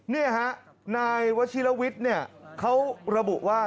นี่ครับนายวชิลวิทย์เขาระบุว่า